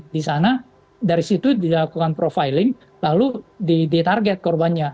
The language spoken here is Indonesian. di sana dari situ dilakukan profiling lalu ditarget korbannya